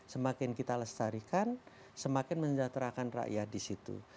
semakin kita lestarikan semakin menjahatkan rakyat disitu